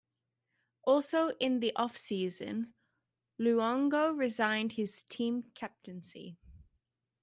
Also in the off-season, Luongo resigned his team captaincy.